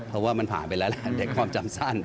เพราะว่ามันผ่านไปแล้วแหละแต่ความจำสั้น